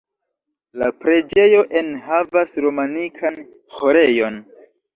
La preĝejo enhavas romanikan Ĥorejon.